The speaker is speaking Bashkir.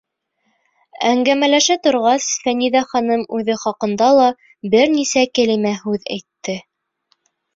Әңгәмәләшә торғас, Фәниҙә ханым үҙе хаҡында ла бер нисә кәлимә һүҙ әйтте.